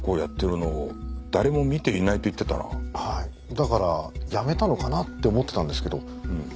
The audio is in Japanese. だからやめたのかなって思ってたんですけど。